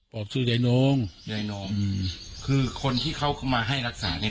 ปอบชื่อใดน้องใดน้องอืมคือคนที่เขามาให้รักษาเนี้ย